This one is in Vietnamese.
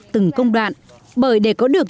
từng công đoạn bởi để có được